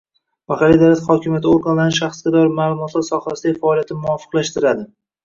mahalliy davlat hokimiyati organlarining shaxsga doir ma’lumotlar sohasidagi faoliyatini muvofiqlashtiradi.